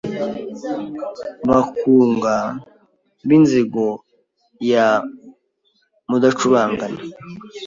Bakunga b'inzigo ya Mudacubangana